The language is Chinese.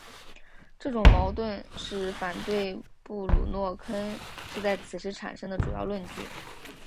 这种矛盾是反对布鲁诺坑是在此时产生的主要论据。